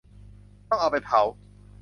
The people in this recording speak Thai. ต้องเอาไปเผา